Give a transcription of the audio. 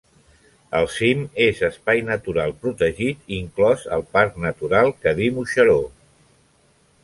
El cim és espai natural protegit inclòs al Parc Natural Cadí-Moixeró.